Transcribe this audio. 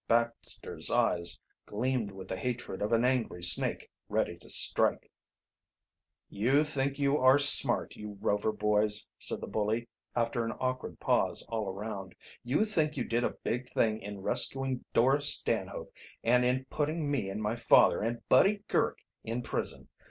Baxter's eyes gleamed with the hatred of an angry snake ready to strike. "You think you are smart, you Rover boys," said the bully, after an awkward pause all around. "You think you did a big thing in rescuing Dora Stanhope and in putting me and my father and Buddy Girk in prison.